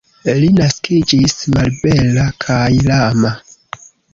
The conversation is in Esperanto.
Li naskiĝis malbela kaj lama.